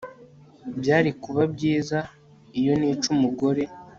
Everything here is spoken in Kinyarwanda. byari kuba byiza iyo nica umugore